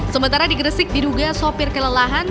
sementara di gresik diduga sopir kelelahan